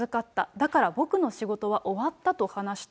だから僕の仕事は終わったと話した。